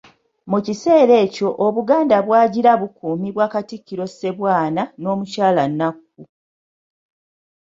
Mu kiseera ekyo Obuganda bwagira bukuumibwa Katikkiro Ssebwana n'Omukyala Nnakku.